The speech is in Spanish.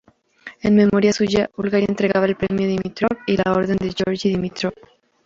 En memoria suya, Bulgaria entregaba el Premio Dimitrov y la Orden de Georgi Dimitrov.